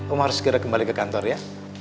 om harus segera kembali ke kantor ya